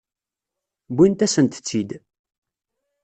Wwint-asent-tt-id.